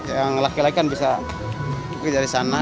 yang laki laki kan bisa mungkin dari sana